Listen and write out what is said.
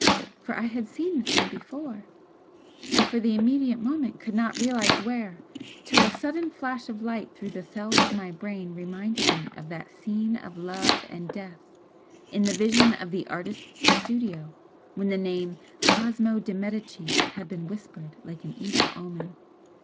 For I had seen the thing before and for the immediate moment could not realise where, till a sudden flash of light through the cells of my brain reminded me of that scene of love and death in the vision of the artist's studio when the name 'Cosmo de Medicis' had been whispered like an evil omen.